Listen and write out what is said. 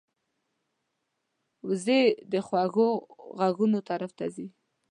وزې د خوږو غږونو طرف ته ځي